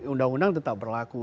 undang undang tetap berlaku